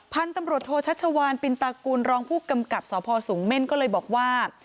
พันธุ์ตำรวจโทชัชวานปินตากุลรองผู้กำกับสพสูงเม่นก็เลยบอกว่า